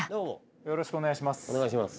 よろしくお願いします。